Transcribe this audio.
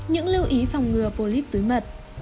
những lưu ý phòng ngừa polyp túi mật